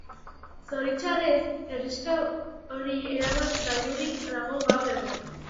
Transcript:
Zoritxarrez, herrixka hori erabat galdurik dago gaur egun.